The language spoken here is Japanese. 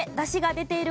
出ている。